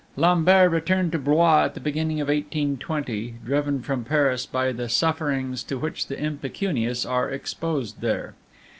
Lambert returned to Blois at the beginning of 1820, driven from Paris by the sufferings to which the impecunious are exposed there.